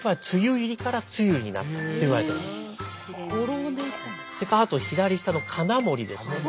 それからあと左下の鉄穴森ですね。